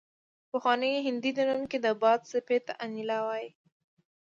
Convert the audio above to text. په پخواني هندي دینونو کې د باد څپې ته انیلا ویل